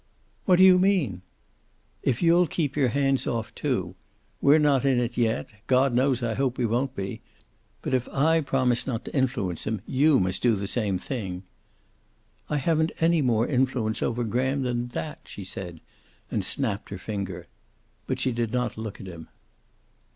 "What do you mean?" "If you'll keep your hands off, too. We're not in it, yet. God knows I hope we won't be. But if I promise not to influence him, you must do the same thing." "I haven't any more influence over Graham than that," she said, and snapped her finger. But she did not look at him.